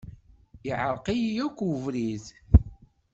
Iɛreq-iyi akk ubrid.